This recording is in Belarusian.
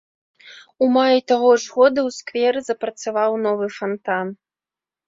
У маі таго ж года ў скверы запрацаваў новы фантан.